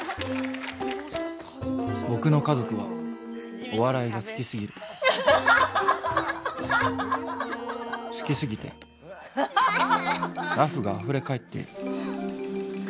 僕の家族はお笑いが好きすぎる好きすぎてラフがあふれかえっている。